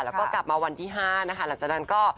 แล้วก็กลับมาวันที่๕นะคะหลังจากนั้นก็